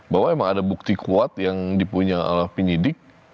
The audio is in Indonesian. bahwa memang ada bukti kuat yang dipunya oleh penyidik